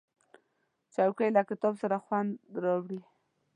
چوکۍ له کتاب سره خوند راوړي.